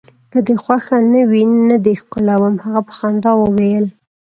که دي خوښه نه وي، نه دي ښکلوم. هغه په خندا وویل.